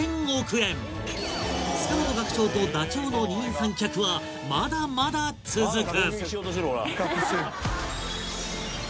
いやまぁ塚本学長とダチョウの二人三脚はまだまだつづく！